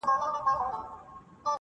دا چي مي تر سترګو میکده میکده کيږې,